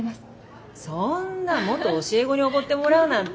そんな元教え子におごってもらうなんて。